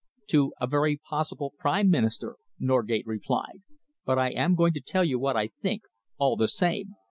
"To a very possible Prime Minister," Norgate replied, "but I am going to tell you what I think, all the same.